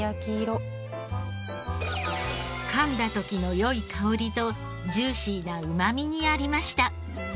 噛んだ時の良い薫りとジューシーなうまみにありました。